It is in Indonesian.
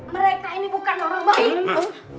mereka ini bukan orang baik